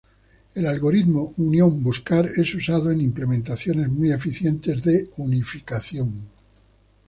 El algoritmo Unión-Buscar es usado en implementaciones muy eficientes de Unificación.